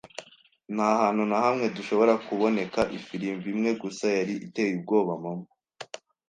nta hantu na hamwe dushobora kuboneka. Ifirimbi imwe gusa yari iteye ubwoba mama